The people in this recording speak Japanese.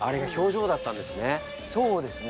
そうですね。